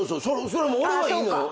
それも俺はいいのよ。